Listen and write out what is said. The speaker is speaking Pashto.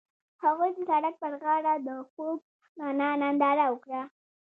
هغوی د سړک پر غاړه د خوږ رڼا ننداره وکړه.